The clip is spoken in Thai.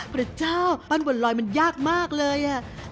พระเจ้าปั้นบนลอยมันยากมากเลย